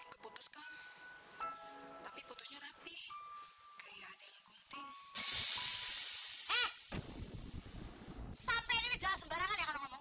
tapi putusnya rapi